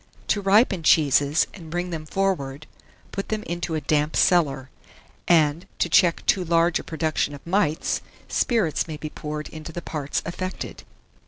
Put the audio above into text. To ripen cheeses, and bring them forward, put them into a damp cellar; and, to check too large a production of mites, spirits may be poured into the parts affected.